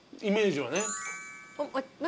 イメージはね。